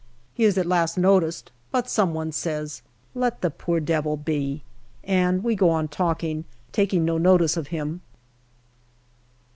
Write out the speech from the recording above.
He is at last noticed, but some one says, " Let the poor devil be !" and we go on talking, taking no notice of him.